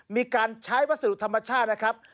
มีการใช้วัสดุธรรมชาตินะครับ